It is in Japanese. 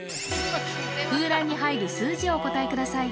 空欄に入る数字をお答えください